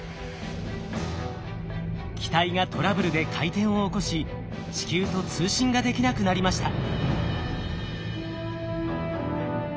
機体がトラブルで回転を起こし地球と通信ができなくなりました。